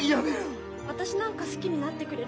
私なんか好きになってくれるから。